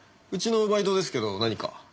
うちのバイトですけど何か？